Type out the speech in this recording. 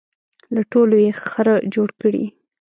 له ټولو یې خره جوړ کړي.